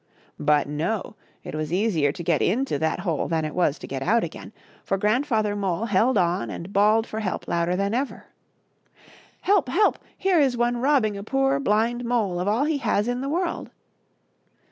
But no, it was easier to get into that hole than it was to get out again, for Grandfather Mole held on and bawled for help louder than ever. " Help ! help ! here is one robbing a poor blind mole of all he has in the world